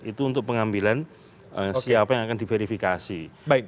itu untuk pengambilan siapa yang akan diverifikasi